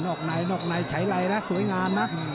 อกในนอกในใช้ไรนะสวยงามนะ